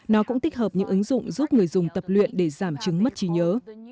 nó cũng tích hợp những ứng dụng giúp người dùng tập luyện để giảm chứng mất trí nhớ